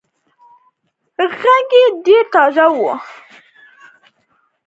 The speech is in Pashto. غږ يې ډېر تازه وو.